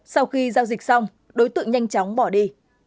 sau khi giao dịch xong đối tượng nhanh chóng bỏ đi